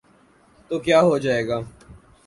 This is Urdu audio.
تو کیا ہوجائے گا۔